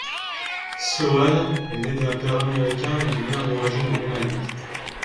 Sloan est né d'un père américain et d'une mère d'origine roumaine.